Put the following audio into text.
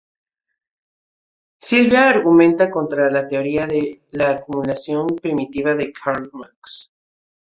Silvia argumenta contra la teoría de la acumulación primitiva de Karl Marx.